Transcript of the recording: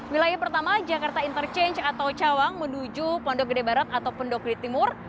wilayah pertama jakarta interchange atau cawang menuju pondok gede barat atau pondok gede timur